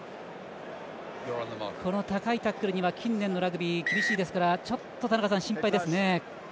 この高いタックルには近年のラグビー厳しいですからちょっと心配ですね。